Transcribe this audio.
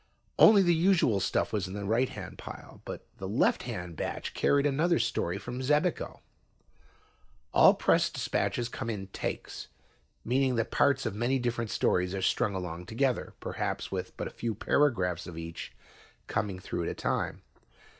Only the usual stuff was in the righthand pile, but the lefthand batch carried another story from Xebico. All press dispatches come in "takes," meaning that parts of many different stories are strung along together, perhaps with but a few paragraphs of each coming through at a time.